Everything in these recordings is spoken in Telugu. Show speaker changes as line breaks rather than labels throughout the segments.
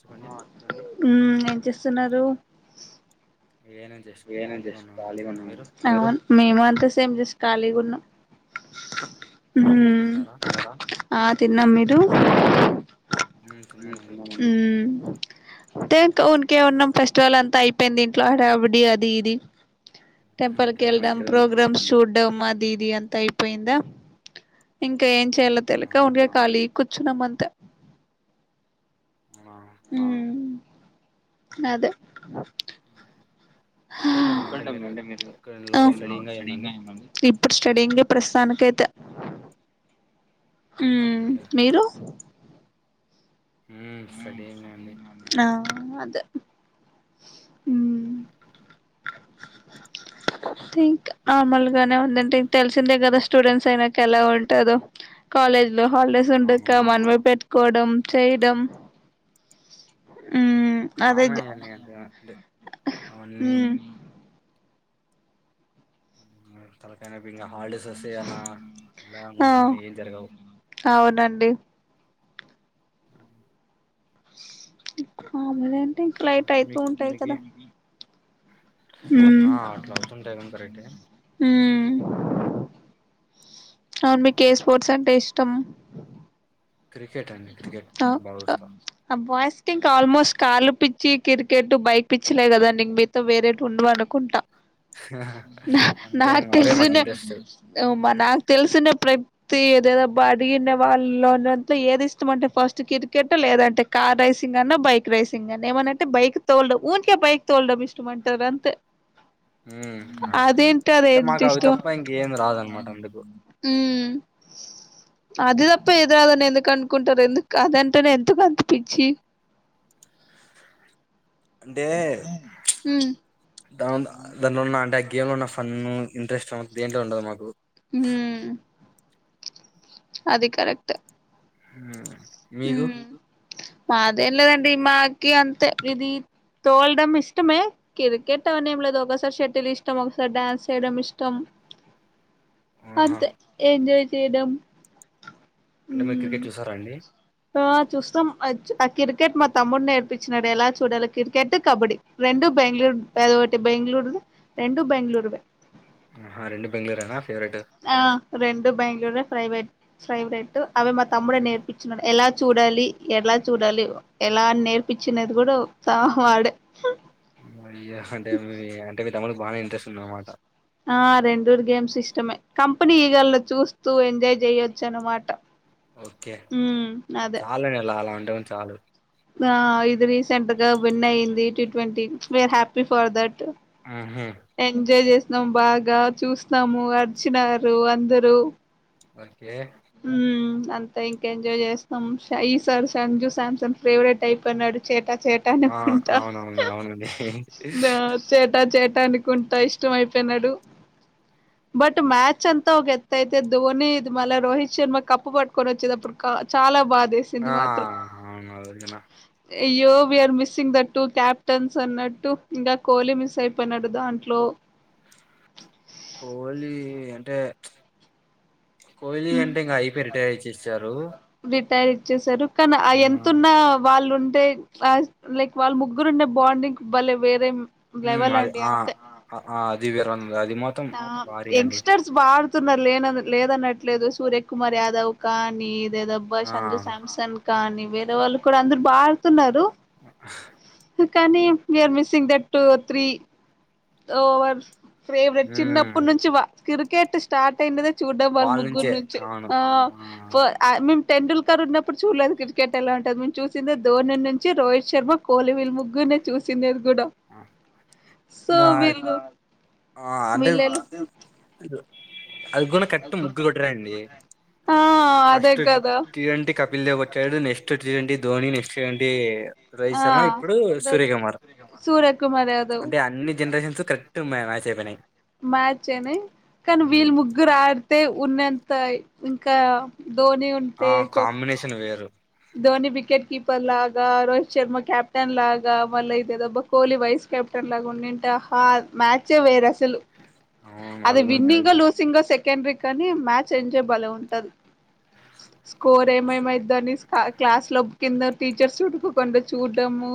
చెప్పండి
స్తున్నారు
ఏదైనా జస్ట్ ఖాళీగా ఉన్నామండి మీరు
ఔన్ మేము అంత ష్టం జెస్ కాలిగున్నాం
తిన్నారా
ఆ తిన్నాం మీరు
మ్మ్ తిన్నామండి
ఉమ్ అంటే ఉన్కే ఉన్నాం ఫెస్టివల్ అంతా అయిపోయింది ఇంట్లో హడావిడి అది ఇది
ఉహు, ఇక్కడ కూడా
టెంపల్కివెళ్డం
సేమ్ అండి
ప్రోగ్రామ్స్ చూడ్ డమ్ అది ఇది అంత అయిపోయిందా ఇంకా ఏం చేయాలో
ఆ
తెలిక ఉంటిగా ఖాళీ కూచ్చునమ్మంతే
అవునా
ఉమ్ అదే
ఉమ్, ఎక్కడండి మీ-
హాఁ
అంటే మీరు ఎక్కడలో స్టడీంగ్ అయ్యిందండి
ఇప్ ఇప్పుడు స్టడింగే ప్రస్తుతానికైతే ఉమ్
ఓకే
మీరు
ఉమ్ స్టడియింగే అండి
ఆదే ఉమ్ థింక్ ఆమల్ గానే ఉందంటే తెల్ సిందే గదా స్టూడెంట్స్ అయినాక ఎలా ఉంటాదొ కాలేజ్ లో హాల్ డేస్ ఉండక
అవునవును
మన్ వే పెట్ కోడం చేయ్ డమ్
కామన్ ఈయన్ని డు అవన్నీ
మ్
హు తలకయి నోప్పి ఇంగ హాల్ డేస్ వొస్తయన
ఆ
లాగుంటామని ఏం జరగవ్
అవునండి ఆమ్ లెన్ టీంక్ లేటయితూ
మీకు
ఉంటాయి
మీకే
కదా మ్
ఆ అట్లా అవ్ తుంటాయి గాని కరక్టే
ఉమ్ ఔన్ మీ కేస్ ఫోట్స్ అంటే ఇష్టం
క్రికెట్ అండి క్రికెట్ అంటే బావ్ విస్త
థింక్ ఆల్ మోస్ట్ కాల్ పిచ్చి కిర్ కేట్ బైక్ పిచ్చిలే గదండి మీ తవ్ వేరే టుండువన్ అనుకుంటా నా
అంతే
నాక్
అండి,
తెల్
అవే మాకు
సున
ఇంట్రెస్ట్
ఓమ్మ్ నాక్ తెల్ సునప్ ప్రబ్ తీ ఏదద బాడ్ గిన వాల్ లోన ట్లు ఎదిష్ తుమంటే ఫస్ట్ కిర్ కేటు లేదంటే కార్ రైసింగన్నా బైక్ రేసింగన్నా ఏమన్నంటే బైక్ తొల్ డమ్ ఉన్ కే బైక్ తోల్ డమ్ ఇష్టమంటర్ అంతే
ఉమ్ ఆ
అదేంటి
అంటే
అదేంటి
మాక్ అవి
ఇష్టం
తప్ప ఇంకేం రాదన్ మాట అందుకు
ఉమ్
ఉమ్.
అదిదప్ప ఏద్ రాదన్ ఎందుక్ కన్ కుంటారు ఎందుకా ఆదంటనే ఎందుకంత పిచ్చి ఉమ్
దాన్ దా దన్ లో ఉన్న అంటే గేమ్ లో ఉన్న ఫన్ను ఇంట్రెస్టన్ దేంట్లో ఉండదు మాకు
ఊహ్మ్ అది కరక్ట్
ఉమ్ మీకు
ఉమ్ మాదేన్ లెదండి మాకి అంతే లీది తోల్ డమ్ ఇష్టమే కిరీకేటన్ ఎమ్ లేదు ఒకసారి షెటిల్ ఇష్టం ఒకసారి డ్యాన్స్ చేయడం ఇష్టం
ఆహా
అంతే ఎంజాయ్ చేయ్ డమ్
అంటే మీర్ క్రికెట్ చూసారా అండి
ఆ చూస్తాం ఆ చు ఆ కిర్ కేట్ మా తమ్ముడ్ నేర్పిచినడు ఎలా చూడాలి కిర్ కేట్ కబడీ రొండు బెంగుళూరు ఏదో ఒకటి బెంగళూరు రెండు బంగళూరువె
ఆహ రెండు బెంగళూరేనా ఫేవరెట్
ఆ రెండు బెంగళూరె ప్రైవేట్ ప్రైవేట్ అవి మా తమ్ముడే
ఉమ్.
నేర్పించన్నడు ఎలా చూడాలి ఎలా చూడాలి ఎలా నేర్పించినది కూడా హా వాడే
అమ్మో అయ్యా అంటే మీ అంటే మీ తమ్ముడికి బాగనే ఇంట్రెస్ట్ ఉందన్నమాట
ఆ రెండూరు గేమ్స్ ఇష్టమే కంపెనీ ఈగల చూస్తూ ఎంజాయ్ చెయొచ్చన్నమాట
ఓకే చాలా అలా అలా ఉంటె చాలు
ఆ ఇది రీసెంట్ గా విన్ అయింది టి ట్వంటీ ఈ ఆర్ హ్యాపీ ఫర్ దట్
ఉహు
ఎంజాయ్ చేస్ డం బాగా చూసినాము అర్చినారు అందరూ
ఓకే
ఉమ్ అంతే ఇంకేంజాయ్ చేసినం సే ఈసారి సంజు శాంసన్ ఫేవరెట్ అయిపోయినాడు చేట
ఆ
చేటానుకుంట
అవునవును అవునండి
చేట చే అనుకుంటా ఇష్టం అయిపోయినాడు బట్ మ్యాచంతా ఒకెత్తయితే ధోని ఇది మల్ల రోహిత్ శర్మ కప్పు పట్టుకొని ఒచ్చేటప్పుడు కా చాలా బాగ్
ఆఆహ్ అవును అడిగిన
అయ్యో we are missing that two captains అన్నట్టు ఇంక కోహ్లీ మిస్ అయిపోయినడు దాంట్లో
కోహ్లీ ఇ అంటే కోహ్లీ అంటే ఇంగ అయిపొయ్రు రిటైర్ ఇచ్చెసారు
టైరు ఇచ్చేసారు కాని అ ఎంతున్న వాళ్ళు టె అస్ లైక్ వాళ్ ముగ్గురు ఉన్న బాండింగ్ బల్లే వేరే
ఉమ్
లెవల్
అది
అండి
ఆ
అంతే
ఆ ఆ, అది వేరొంది అది మొత్తం
అహ్
భారీ అండి
యంగ్స్టర్స్ బ ఆడ్ తున్నారు లేనన లేదనట్లేదు. సూర్య కుమార్ యాదవ్ కానీ దెదబ్బా,
ఆ
సంజు శాంసన్ కానీ వేరే వాళ్ళు కూడ అందరు బా ఆడుతున్నారు. కనీ we are missing that two three over favourite
ఉమ్
చిన్నప్పటి నుంచి వ క్రికెట్ స్టార్ట్ అయినదే చూడ్ వాళ్ళ ముగ్ గ్గురు
నుంచే
నుంచె
అవును
ఆ
ఇంగా
ఫ్ అ మెమ్ టెండూల్కర్ ఉన్నప్పుడు చూడలేదు. క్రికెట్ ఎలా ఉంటది. మేము చూసుందే ధోని నుంచి రోహిత్ శర్మ కోహ్లీ విల్ ముగ్గురు నె చూసింది గుడ్
ఆ
సొ
ఇంకా
వీళ్ళు
ఆ, అంటే
వీళ్ళలు
అది గూన కరెక్ట్ ముగ్గురు కొట్టరండి.
ఆ
ఫస్ట్
అదే
టీ
కదా
టీ ట్వంటీ కపిల్ దేవ్ కొట్టాడు. Next T twenty Dhoni next twenty Rohit
ఆ
శర్మ ఇప్పుడు సూర్యకుమార్
సూర్యకుమార్ యాదవ్
అంటే అన్ని జనరేషన్స్ కరెక్ట్ గున్నయ్ మ్యా సెవెనై
మ్యాచైనయ్ కానీ వీళ్ళు ముగ్గురు ఆడితే ఉన్నంత ఇంకా ధోని ఉంటే
ఆ
కొ
కాంబినేషన్ వేరు
ధోని వికెట్ కీపర్ లాగా రో శర్మ కెప్టెన్ లాగా మళ్ళ ఇదెదబ్బ కోహ్లీ వైస్ కెప్టెన్ లాగా ఉండింటె అహ మ్యాచే వె వెరసలు
అవును
అది
కూడా
విన్నింగో
కరెక్టే
లూసింగో సెక్ కండ్రి కనీ మ్యాచ్ ఎంజాయ్ బలే ఉంటది. స్కోర్ ఏమైమైద్ద అని కా క్లాస్ లొ కింద టీచర్స్ చుడకు కుండ చూడ్డము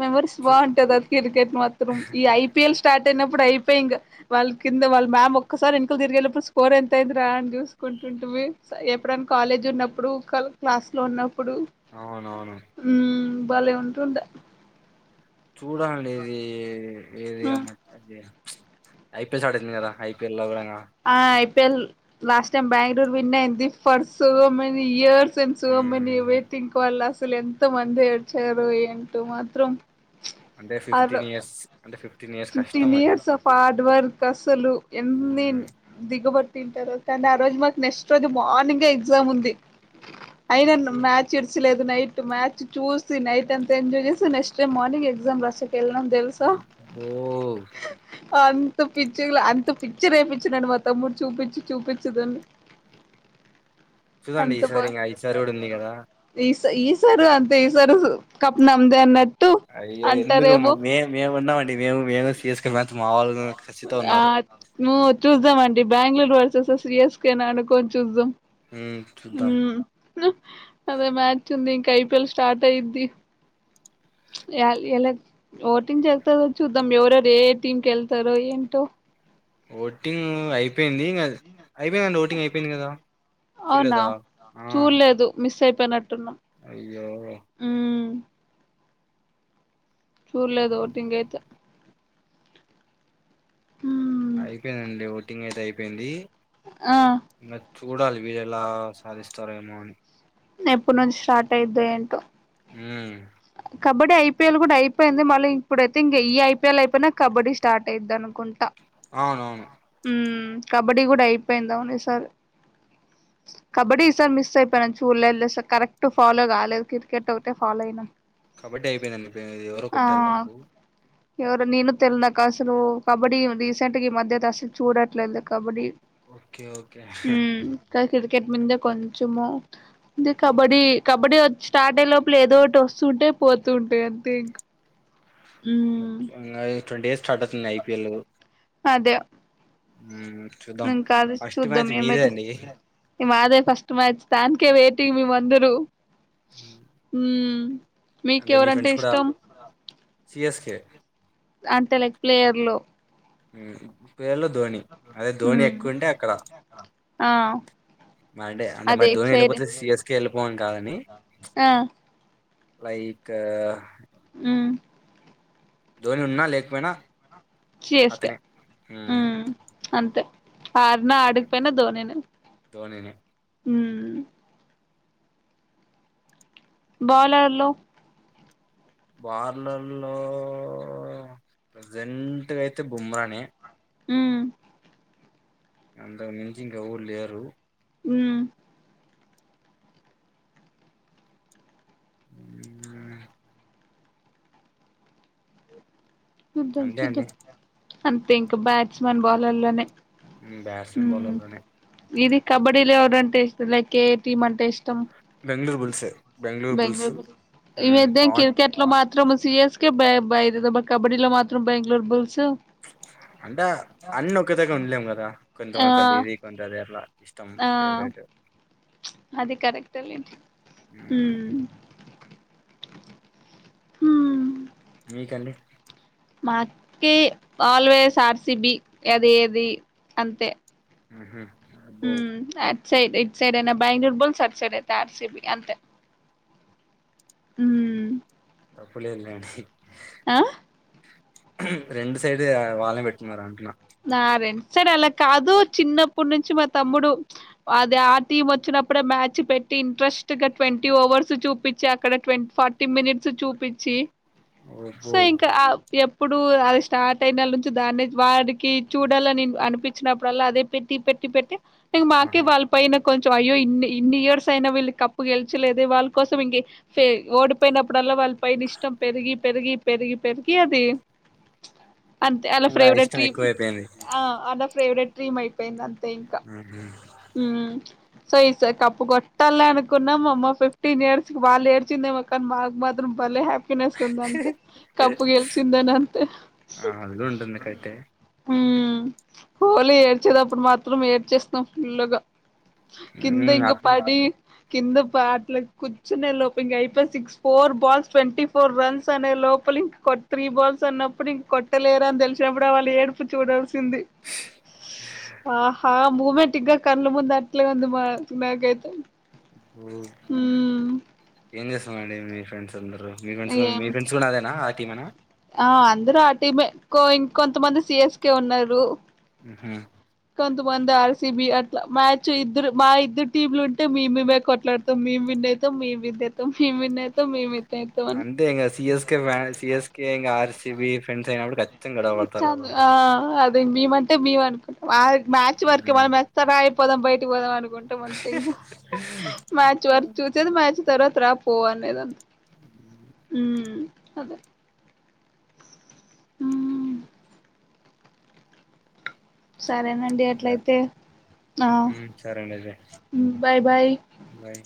మెమరీస్
చూ
బావుంటది. అది కిర్కెట్ మాత్రం ఈ ఐపీఎల్ స్టార్ట్ టైనప్పుడు అయిపోయి ఇంక వాళ్ళ కింద వాళ్ళ మ్యామ్ ఒక్కసారి ఎనకకి తిరిగేలొపు, స్కోర్ ఎంత అయింది రా అని చూసుకుంట టుమి ఎప్పుడైనా కాలేజ్ ఉన్నప్పుడు కల్ క్లాస్ లో ఉన్నప్
అవునా వును
మ్ బలే ఉంటుండె
చూడాలనుండెదీ
మ్మ్
[unintelligible] ఐపీఎల్ స్టార్ట్ అయింది గద ఐపీఎ లో గూడ
ఆ IPL last time Bangalore win అయింది. For so many years since many
um,
waiting క వాళ్ళు అసలు ఎంత మంది ఏడ్చారు. ఏంటో మాత్రం
అంటే
ఆరు
ఫిఫ్టీన్ ఇయర్స్ అంటే ఫిఫ్
fifteen years of hard work అసలు ఎన్ని
ఉమ్,
దిగబట్ తింటరో కానీ ఆ రోజు మాకు నెక్స్ట్ రోజు మార్నింగే ఎగ్జామ్ ఉంది. అయిన న్
ఏ-
మ్యాచ్ ఇడసలేదు నైట్ మ్యాచ్ చూసి నైట్ అంత ఎంజయ్ చేసి, నెక్స్ట్ డే మార్నింగ్ ఎక్సామ్ రాసేకేళ్ళినం తెలుసా.
వోవ్
అంత పిచ్చి గ్ల అంత పిచ్చి రేపిచ్చినడు. మా తమ్ముడు చూపిచ్చి చూపిచ్చి దాన్ని
చూడండి
అంత బా
ఈసారి ఇంకా ఈసారి కూడా ఉంది కదా
ఇస్ ఈసారి అంతే ఈసరు కప్పు నమ్దే అన్న
అయ్యో ఎందుకు మ్మ మె మేమున్నామండి మేము మెము సిఎస్కె మ
ఆహ్ ను చూస్తదామండి బెంగళూరు వెర్సెస్ సిఎస్కె ననుకోన్ చూస్దం
ఉమ్, చూద్దాం
ఉమ్ అదే మ్యాచ్ ఉంది ఇంకా ఐపిఎల్ స్టార్ట్ అయిద్ది యల్ ఇయ్యలేదు ఓటింగ్ చెస్తారో చూద్దాం. ఎవరెవరు ఏ ఏ టీమ్ కి వెళ్తారో ఏంటో
ఓటింగ్ అయిపోయింది ఇంగ
అవునా
చూడలేదా ఆ,
చూల్లేదు మిస్ఐ అయిపోనట్టు ఉన్న
అయ్యో
ఉమ్ చూడ్లేదు ఓటింగ్ అయితే ఉమ్
అయిపోయిందండి ఓటింగ్ అయితే అయిపోయింది
ఆ
చూడాలి విల్ ఎలా సాధిస్తారేమో అని
ఎప్పుడు నుంచి స్టార్ట్ అయిద్ఏంటో
ఉహ్మ్
కబడ్డీ ఐ పీ ఎల్ కూడా అయిపోయింది మళ్ళీ ఇప్పుడైతే ఇంక ఈ ఐ పీ ఎల్ అయిపోయినా కబడ్డీ స్టార్ట్ అయిద్ అనుకుంటా
అవునవును
ఉమ్ కబడ్డీ కూడా అయిపోయింది అవును ఈసారి కబడ్డీ ఈ సారి మిస్ అయిపోయిన చూడలేదు లె సక కరెక్ట్ ఫాలో కాలేదు క్రికెట్ ఒకటే ఫాలో అయినా
కబడ్డీ అయిపోయిందండి అండి ఇప్ ఎ ఎవరో కొట్టారు కప్పు
ఎవరు నేను తెలినాకా అసలు కబడ్డీ రిసెంట్గా ఈ మధ్య అయితే అసలు చూడట్లేదు కబడ్డీ
ఓకే ఓకే
ఉమ్ కానీ క్రికెట్ మిద్నె కొంచెము ఇద్ కబడ్డీ కబాడీ చ్ స్టార్ట్ అయిలోపల ఏదో ఒకటి వస్తు సుటేయ్ పోతుంటయ్ అంతే ఇంక ఉమ్
ట్వంటీ స్ స్టార్ట్ అయితుంది ఐ పీ ఎల్
అదే
ఉమ్ చూద్దాం
ఇం కాదు
ఫస్ట్
చూద్దాం
మ్యాచ్ మీదే
ఏమైతే
అండి
మాదె ఫస్ట్ మ్యాచ్ దానకే వెయిటింగ్ మె మందరు
ఉమ్,
హ్మ్
మీ
మీకెవర్ అంటే
ఫ్రెండ్స్ కూడా
ఇష్టం
సిఎస్కే
అంటే లైక్ ప్లేయర్లొ
ఉమ్ పేర్లు ధోని అదే ధోని
మ్మ్
ఎక్కువుంటే అక్కడ
ఆ
మరి అంటే
అదే
మరి
ఇటు
ధోని
సైడ్
వెళ్ళిపోతే సి ఎస్కే ఎలిపో కాదని
ఆ
లైక్ హ్హ్
ఉహ్మ్
ధోని ఉన్నా లేకపోయినా
సి స్ కె
అతనే ఉమ్
హ్మ్ అంతే ఆడ్నా ఆడకపోయినా ధోనినె
ధోనినే
ఉమ్ బౌలర్లో
బర్లలో ప్రెసెంట్ గా అయితే బుమ్రా్ నె
హ్మ్
అంతకు మించి ఇంకా ఎవరు లేరు
ఉమ్
ఉముగా
చూద్దాం
అంతే అండి
చూద్దాం అంతే ఇంకా బాట్సమెన్ బాలర్లో నే
ఉహ్మ్ బస్మెన్ బౌలర్లోనే
ఇది కబడ్డీలెవరు అంటే ఇష్టం లైక్ ఎ ఏటీమ్ అంటే ఇష్ట
బెంగళూరు బుల్ల్స్
బెంగళూరు బు ఇవెదేం
పవన్
క్రికెట్ లో మాత్ సీ య ఎస్ కే బై బ కబడ్డీలో మాత్రం బెంగళూరు బుల్స్
అంటే అన్ని ఒకదగ్ ఉండలేము కదా
ఆ
కొంతమ కొంత ఇది కొంత అది అట్లా ఇష్టం ఫేవరేట్
చుప్ అది కరెక్టే లెండి ఉమ్మ్ ఊమ్మ్
మీకండి
మాక్కీ ఆల్వేస్ ఆ. ర్సి. బి అది ఏది అంతే
ఉహ్మ్ అబ్బో
హ్మ్ అట్ సైడ్ ఇట్ సిడెయైన బ్యాంగళూర్ బుల్స్ అట్ సైడ్ అయితే ఆర్ సిబి అంతే ఉమ్
తప్పులేదు లేండి
అ
ఉహ్మ్ రెండు సైడ్ ఆ వాళ్ళని పెట్టిన్నారు అంటున్నా
సర్ అలా కాదు చిన్నప్పటి నుంచి మా తమ్ముడు అది ఆ టీం వచ్చినప్పుడే మ్యాచ్ పెట్ ఇంట్రెస్ట్ గా ట్వంటీ ఓవర్స్ చూపించి అక్కడ ట్వంటీ ఫార్టీ మినిట్స్ చూపించి
అబ్బో
సో ఇంకా ఆ ఎప్పుడు అది స్టార్ట్ పోయినెల నుంచి దాన్ని వాడికి చూడాలని అనిపించినప్పుడల్లా అదే పెట్టి పెట్టి పెట్టి ఇగ మాక్కే
ఆహా
వాల్ పైన కొంచెం అయ్యో ఇన్ని ఇన్ని ఇయర్స్ అయినా వీళ్ళు కప్పు గెలిచలేదె వాళ్ళ కోసం ఇంగె ఫె ఓడిపోయినప్పుడుల్ల ఇంగ వాళ్ళ పైన ఇష్టం పెరిగి పెరిగి పెరిగి పెరిగి అది అంతె ఆళ్ల
ఇంగ
ఫేవరెట్
ఇష్టం
డ్రీం
ఎక్కువైపోయింది
ఆ ఆన్స్ ఫేవరెట్ డ్రీమ్ అయిపోయింది అంతే ఇంక ఉమ్మ్ సో ఈ సారి కప్పు కొట్టల్ల అనుకున్నాం మా అమ్మ ఫిఫ్టీన్ ఇయర్స్ వాళ్ళు ఏడ్చిందేమో కానీ మాకు మాత్రం భలే హప్పినెస్స్ ఉంది అంతే
మ్హూ.
కప్పు గెలిచిందన అంతే హా
అందులో ఉంటంది కైటె
ఉమ్ హోలీ ఏడ్చేది అప్పుడు మాత్రం ఏడ్చేస్తాం ఫుల్ గా కింద
హ్మ్
ఇంగ
అతనే
పడి కింద బ్యాట్ల కూర్చునే లోపు ఇంగట్ అయిపోయా six four balls twenty four runs అనే లోపు ప్పులు ఇంక ఒక త్రీ బాల్స్ అన్నప్పుడు ఇంకొట్ ట్టలేర అని తెలిసినప్పుడు వాళ్ళ ఏడుపు చూడల్సింది స్ ఆహా మూమేటిగ కళ్ళు ముందు అట్లే ఉంది మా నాకైతె
ఉమ్ ఏం చేస్తున్నారండి మీ ఫ్రెండ్స్ అందరూ మీ ఫ్రెండ్స్ కూడా
ఏం
మీ ఫ్రెండ్స్ కూడా అదేనా ఆ టీమేనా
ఆ ఆందరు ఆ టీమ్ ఎ కో ఇంక్ కొంతమంది సి. ఎస్. కె ఉన్నరు.
ఉహ్మ్
కొంతమంది ఆర్. సి. బి అట్ల మ్యాచ్ ఇద్దరు మా ఇద్దరు టీంలు ఉంటే మేమేం కొట్లాడతాం మేము విన్ [unintelligible] ఐతమ్, మేం విన్ ఐతమ్, మేం విన్ ఐతమ్, మేం ఐతమ్
అంతె ఇంగ C. S. K fans, C. S. K ఏం కాదు సీ. బీ ఫ్రెండ్స్ అయిప్పుడు ఖచ్చితంగా గొడవపడత
చ ఆ అదే మేమంటే మేము అనుకుంటాం ఆ మ్యాచ్ వరకె
హ్మ్.
మనం మ్యాచ్ తర్వాత ఎప్ పోదాం బయటకి పోదాం అనుకుంటాం అంతె ఇంకహ్ హా మ్యాచ్ వరకు
హ్మ్.
చూసేది మ్యాచ్ తర్వాత రా పో అనేది ఉమ్మ్ అంతె సరేనండి
యాహ్!
ఎట్లైతే ఆ
హ్మ్. సరే అండి అయితే.
ఉమ్ బాయ్ బాయ్
బాయ్.